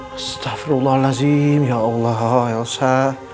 astagfirullahaladzim ya allah elsa